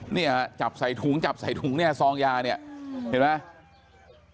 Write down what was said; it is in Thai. เนี่ยจับใส่ถุงจับใส่ถุงเนี่ยซองยาเนี่ยเห็นไหม